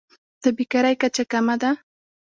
د بیکارۍ کچه کمه ده.